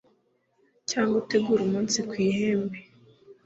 cyangwa utegure umunsi ku ihembe